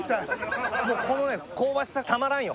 もうこのね香ばしさたまらんよ